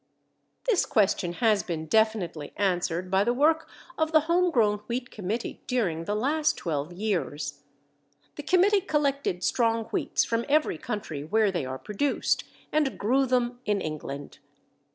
This question has been definitely answered by the work of the Home Grown Wheat Committee during the last 12 years. The committee collected strong wheats from every country where they are produced, and grew them in England.